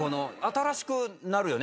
新しくなるよね。